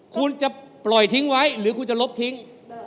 คุณจะปล่อยทิ้งไว้หรือคุณจะลบทิ้ง